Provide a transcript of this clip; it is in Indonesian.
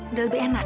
udah lebih enak